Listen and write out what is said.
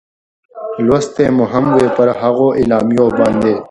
لوستې مو هم وې، پر هغو اعلامیو باندې.